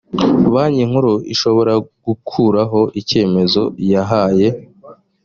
banki nkuru ishobora gukuraho icyemezo yahaye